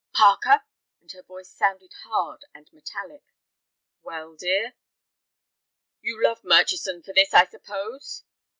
"Parker!" And her voice sounded hard and metallic. "Well, dear." "You love Murchison for this, I suppose?"